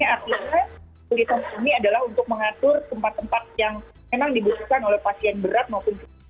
artinya kesulitan kami adalah untuk mengatur tempat tempat yang memang dibutuhkan oleh pasien berat maupun fisik